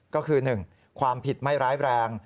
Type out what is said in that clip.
ก็คือ๑ความผิดไม่ร้ายแรง